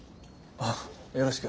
ああよろしく。